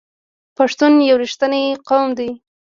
پښتون یو رښتینی قوم دی.